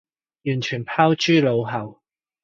完全拋諸腦後